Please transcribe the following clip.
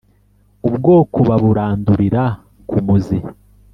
Ubwoko baburandurira ku muzi